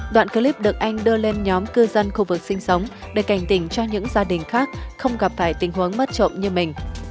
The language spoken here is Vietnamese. đoạn clip được anh đưa lên nhóm cư dân khu vực sinh sống để cảnh tỉnh cho những gia đình khác không gặp phải tình huống mất trộm như mình